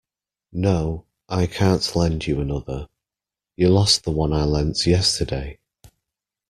No, I can't lend you another. You lost the one I lent yesterday!